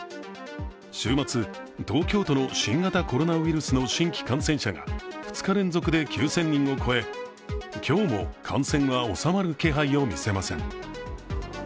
週末、東京都の新型コロナウイルスの新規感染者が２日連続で９０００人を超え今日も感染は収まる気配を見せません。